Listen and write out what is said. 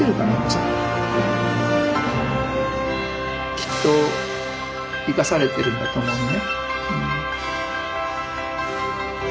きっと生かされているんだと思うのね。